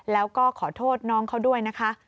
แล้วก็ขอโทษน้องเขาด้วยนะคะ